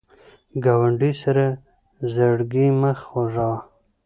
ګاونډي سره زړګی مه خوږوه